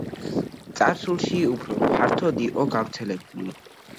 წარსულში უფრო ფართოდ იყო გავრცელებული.